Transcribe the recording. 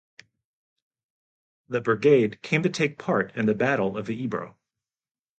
The brigade came to take part in the Battle of the Ebro.